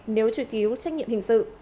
nếu truy kíu trách nhiệm hình sự